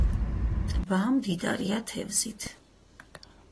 ტბა მდიდარია თევზით.